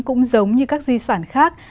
cũng giống như các di sản khác